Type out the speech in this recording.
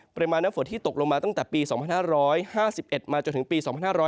ปริมาณน้ำฝนที่ตกลงมาตั้งแต่ปี๒๕๕๑มาจนถึงปี๒๕๕๙